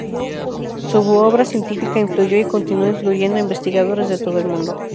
Su obra científica influyó y continúa influyendo a investigadores de todo el mundo.